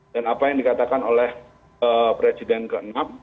dan apa yang dikatakan oleh presiden ke enam